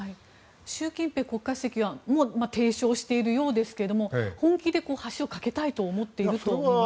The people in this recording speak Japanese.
習近平国家主席はもう提唱しているようですが本気で橋を架けたいと思っていると思いますか？